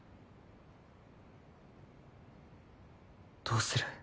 どうする？